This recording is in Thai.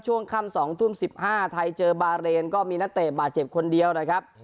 ช่วงค่ำ๒ทุ่ม๑๕ไทยเจอบาเรนก็มีนักเตะบาดเจ็บคนเดียวนะครับ